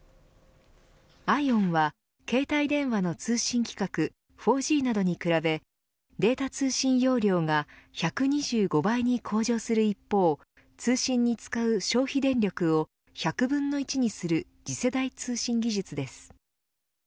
ＩＯＷＮは携帯電話の通信規格４Ｇなどに比べデータ通信容量が１２５倍に向上する一方通信に使う消費電力を１００分の１にする次世代通信技術です。